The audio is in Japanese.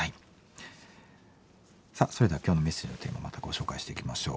さあそれでは今日のメッセージのテーマをまたご紹介していきましょう。